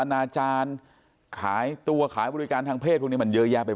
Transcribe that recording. นาจารย์ขายตัวขายบริการทางเพศพวกนี้มันเยอะแยะไป